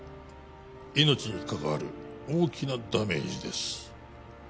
命にかかわる大きなダメージです